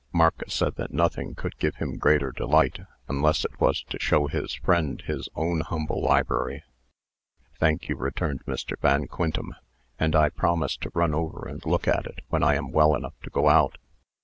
Marcus said that nothing could give him greater delight, unless it was to show his friend his own humble library. "Thank you," returned Mr. Van Quintem; "and I promise to run over and look at it when I am well enough to go out."